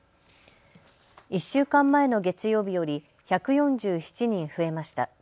１週間前の月曜日より１４７人増えました。